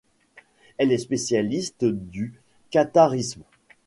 Elle est spécialiste du catharisme.